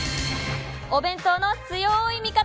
お弁当の強い味方！